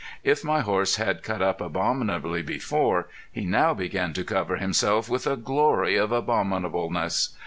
If my horse had cut up abominably before he now began to cover himself with a glory of abominableness.